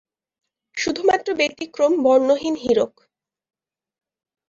শুধুমাত্র ব্যতিক্রম বর্ণহীন হীরক।